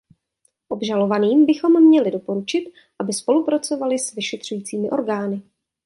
Obžalovaným bychom měli doporučit, aby spolupracovali s vyšetřujícími orgány.